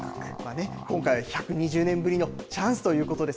今回は１２０年ぶりのチャンスということです。